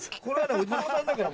お地蔵さんだから。